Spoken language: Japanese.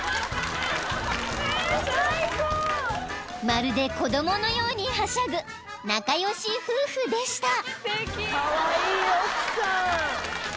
［まるで子供のようにはしゃぐ仲良し夫婦でした］